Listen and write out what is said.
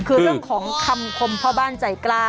คือเรื่องของคำคมพ่อบ้านใจกล้า